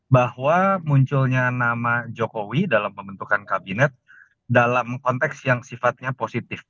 bahwa munculnya nama jokowi dalam pembentukan kabinet dalam konteks yang sifatnya positif